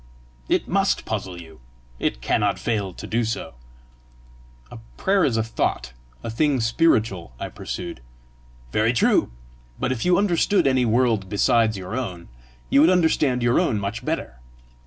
"It MUST puzzle you! It cannot fail to do so!" "A prayer is a thought, a thing spiritual!" I pursued. "Very true! But if you understood any world besides your own, you would understand your own much better.